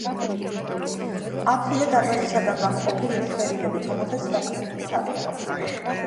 აბსიდა დარბაზისაგან გამოყოფილია შვერილებით, რომელთაც სატრიუმფო თაღი ეყრდნობოდა.